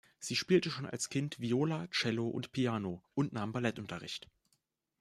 Sie spielte schon als Kind Viola, Cello und Piano und nahm Ballettunterricht.